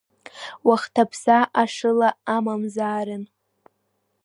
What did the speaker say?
Уахҭаԥса ашыла амамзаарын.